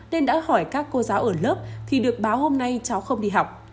nên đã hỏi các cô giáo ở lớp thì được báo hôm nay cháu không đi học